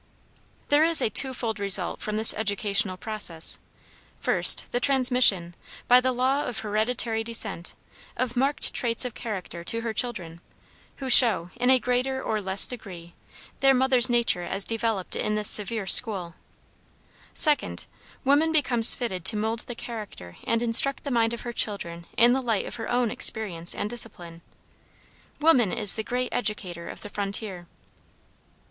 There is a two fold result from this educational process: first, the transmission, by the law of hereditary descent, of marked traits of character to her children, who show, in a greater or less degree, their mother's nature as developed in this severe school; second, woman becomes fitted to mould the character and instruct the mind of her children in the light of her own experience and discipline. Woman is the great educator of the frontier.